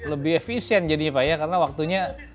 lebih efisien jadinya pak ya karena waktunya